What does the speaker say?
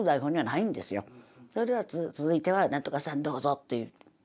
「それでは続いては何とかさんどうぞ」と言う。